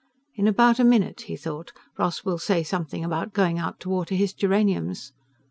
"In about a minute," he thought, "Ross will say something about going out to water his geraniums."